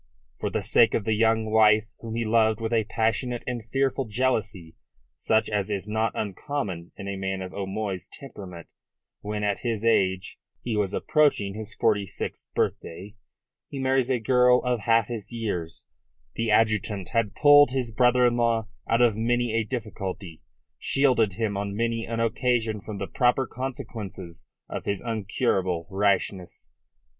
For the sake of the young wife whom he loved with a passionate and fearful jealousy such as is not uncommon in a man of O'Moy's temperament when at his age he was approaching his forty sixth birthday he marries a girl of half his years, the adjutant had pulled his brother in law out of many a difficulty; shielded him on many an occasion from the proper consequences of his incurable rashness.